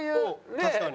確かに。